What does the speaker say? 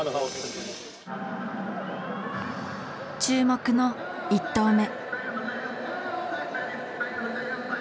注目の１投目。